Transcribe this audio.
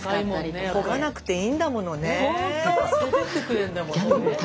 連れてってくれるんだものね。